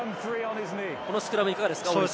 このスクラム、いかがですか？